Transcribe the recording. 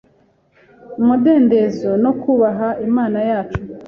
umudendezo no kubaha Imana yacu